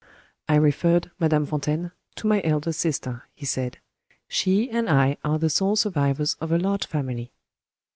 "I referred, Madame Fontaine, to my elder sister," he said. "She and I are the sole survivors of a large family."